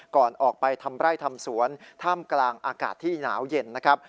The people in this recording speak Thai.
ก่อนออกไปทำไร่ทำสวนท่ามกลางอากาศที่หนาวเย็นนะครับ